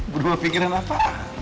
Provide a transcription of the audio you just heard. berbawa pikiran apa